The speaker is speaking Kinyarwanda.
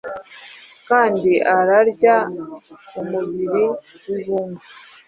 Kandi ararya umubiri wibumba